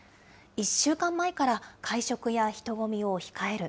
１週間前から、会食や人混みを控える。